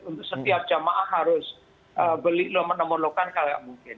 untuk setiap jemaah harus beli nomor nomor lokal kalau mungkin